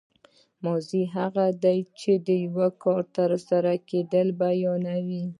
ماضي فعل هغه دی چې د یو کار تر سره کېدل بیانوي.